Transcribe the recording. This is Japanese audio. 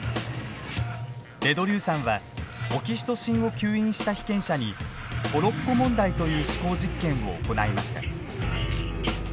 デ・ドリューさんはオキシトシンを吸引した被験者にトロッコ問題という思考実験を行いました。